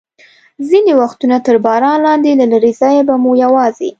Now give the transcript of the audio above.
ځینې وختونه تر باران لاندې، له لرې ځایه به مو یوازې.